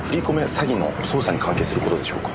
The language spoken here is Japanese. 詐欺の捜査に関係する事でしょうか？